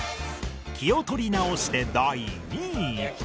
気を取り直して第２位